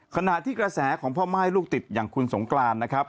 ขณะที่กระแสของพ่อม่ายลูกติดอย่างคุณสงกรานนะครับ